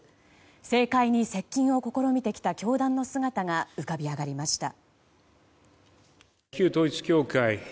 政界に接近を試みてきた教団の姿が浮かび上がりました。